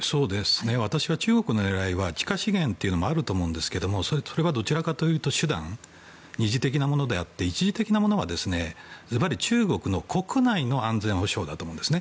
私は中国の狙いは地下資源もあると思いますがそれはどちらかというと手段二次的なものであって一次的なものはずばり、中国国内の安全保障だと思います。